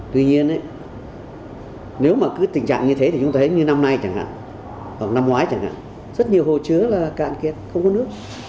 tuy nhiên nếu mà cứ tình trạng như thế thì chúng ta thấy như năm nay chẳng hạn hoặc năm ngoái chẳng hạn rất nhiều hồ chứa cạn kiệt không có nước